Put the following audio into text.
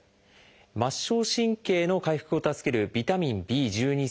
末梢神経の回復を助けるビタミンＢ製剤。